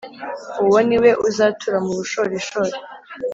Uwo ni we uzatura mu bushorishori,